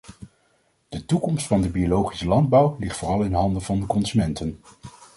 De toekomst van de biologische landbouw ligt vooral in handen van de consumenten.